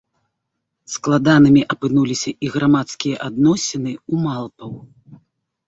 Складанымі апынуліся і грамадскія адносіны ў малпаў.